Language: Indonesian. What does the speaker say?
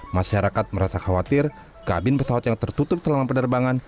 masyarakat merasa khawatir kabin pesawat yang tertutup selama penerbangan